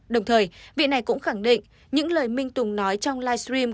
đồng thời vị này cũng khẳng định những lời minh tùng nói trong live stream